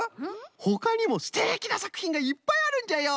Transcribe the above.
ほかにもすてきなさくひんがいっぱいあるんじゃよ。